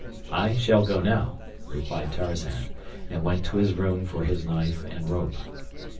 "I shall go now," replied Tarzan, and went to his room for his knife and rope.